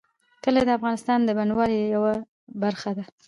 کلي د افغانستان د بڼوالۍ یوه برخه ده.